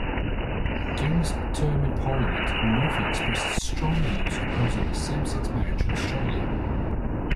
During his term in Parliament, Murphy expressed strong views opposing same-sex marriage in Australia.